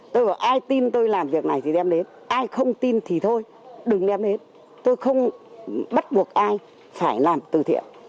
tôi ai tin tôi làm việc này thì đem đến ai không tin thì thôi đừng đem đến tôi không bắt buộc ai phải làm từ thiện